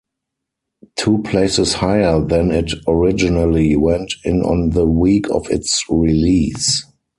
Two places higher than it originally went in on the week of its release.